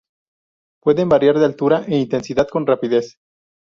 Pueden variar de altura e intensidad con rapidez.